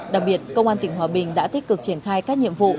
đặc biệt công an tỉnh hòa bình đã tích cực triển khai các nhiệm vụ